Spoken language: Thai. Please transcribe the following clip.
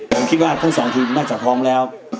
ผมคิดว่าทั้งสองทีมน่าจะพร้อมแล้ว